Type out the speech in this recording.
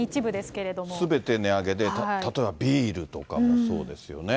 すべて値上げで、例えばビールとかもそうですよね。